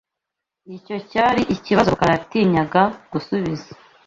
Icyo cyari ikibazo Rukara yatinyaga gusubiza.